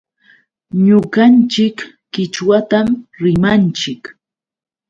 Ñuqanchik qichwatam rimanchik.